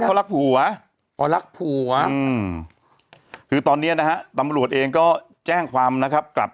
เขารักผัวคือตอนนี้นะฮะตำรวจเองก็จ้างความนะครับ